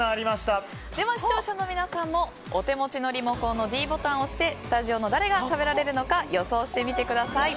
では、視聴者の皆さんもお手持ちのリモコンのｄボタンを押してスタジオの誰が食べられるのか予想してみてください。